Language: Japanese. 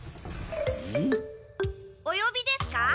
およびですか？